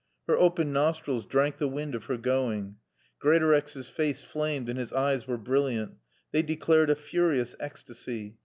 Her open nostrils drank the wind of her going. Greatorex's face flamed and his eyes were brilliant. They declared a furious ecstasy.